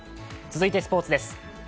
続いてスポーツです。